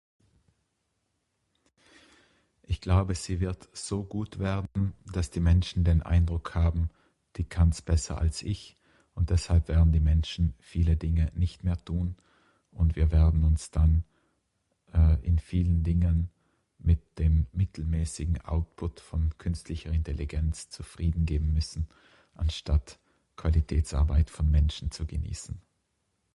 Ich glaube Sie wird so gut werden, dass die Menschen den Eindruck haben, die kanns besser als ich und deshalb werden die Menschen viele Dinge nicht mehr tun und wir werden uns dann eh in vielen Dingen mit dem mittelmäßigen Output von künstlicher Intelligenz zufriedengeben müssen anstatt Qualitätsarbeit von Menschen zu genießen.